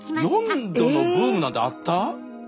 ４度のブームなんてあった？